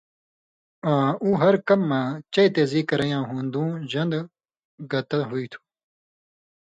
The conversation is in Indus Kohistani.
آں اُو ہر کمہۡ مہ چئ تیزی کرَیں یاں ہُون٘دُوں ژن٘دہۡ گتہ ہُوئ تُھو